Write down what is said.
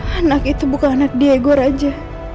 anak itu bukan anak diego raja